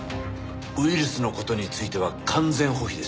ウイルスの事については完全保秘です。